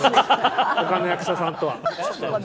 他の役者さんとは。